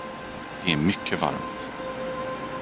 Det är mycket varmt.